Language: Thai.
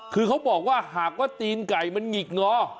คือเขาบอกว่าหากว่าตีนไก่มันหงิกงอ